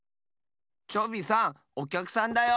チョビさんおきゃくさんだよ。